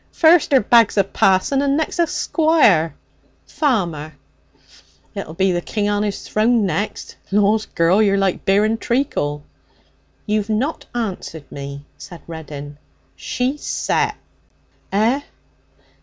First 'er bags a parson and next a squire!' 'Farmer.' 'It'll be the king on his throne next. Laws, girl! you're like beer and treacle.' 'You've not answered me,' said Reddin. 'She's set.' 'Eh?'